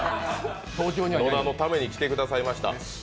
野田のために来てくださいました。